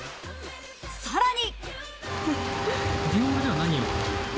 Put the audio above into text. さらに。